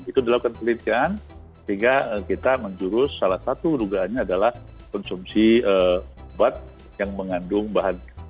itu dilakukan pelitian sehingga kita menjurus salah satu dugaannya adalah konsumsi obat yang mengandung bahan